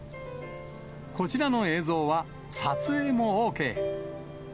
こちらの映像は、撮影もＯＫ。